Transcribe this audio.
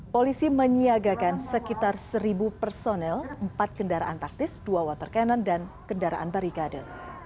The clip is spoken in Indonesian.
polisi menyiagakan sekitar seribu personel empat kendaraan taktis dua water cannon dan kendaraan barikade